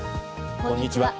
こんにちは。